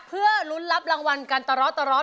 เพื่อลุ้นรับรางวัลกันตลอด